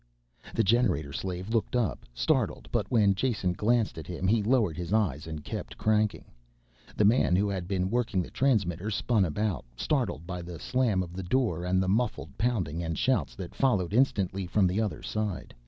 The generator slave looked up, startled, but when Jason glanced at him he lowered his eyes and kept cranking. The man who had been working the transmitter spun about, startled by the slam of the door and the muffled pounding and shouts that followed instantly from the other side.